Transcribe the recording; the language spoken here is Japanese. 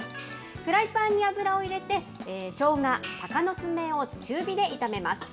フライパンに油を入れて、ショウガ、たかのつめを中火で炒めます。